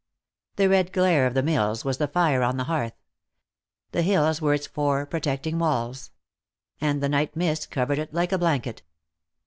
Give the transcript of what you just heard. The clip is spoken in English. The red glare of the mills was the fire on the hearth. The hills were its four protecting walls. And the night mist covered it like a blanket.